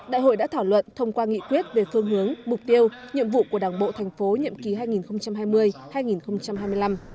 đại hội đã thảo luận thông qua nghị quyết về phương hướng mục tiêu nhiệm vụ của đảng bộ thành phố nhiệm kỳ hai nghìn hai mươi hai nghìn hai mươi năm